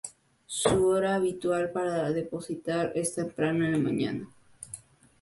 Su hora habitual para depositar es temprano en la mañana.